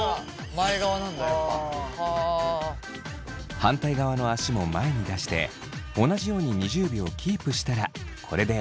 反対側の足も前に出して同じように２０秒キープしたらこれでＯＫ。